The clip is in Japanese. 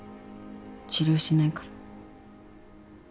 治療しないから。